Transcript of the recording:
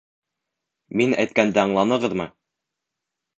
Мин әйткәнде аңланығыҙмы?